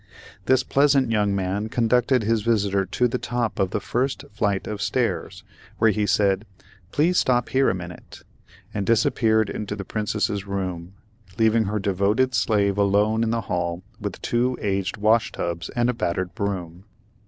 This pleasant young man conducted his visitor to the top of the first flight of stairs, where he said, "Please stop here a minute," and disappeared into the Princess's room, leaving her devoted slave alone in the hall with two aged washtubs and a battered broom.